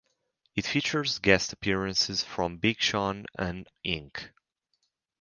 It features guest appearances from Big Sean and Ink.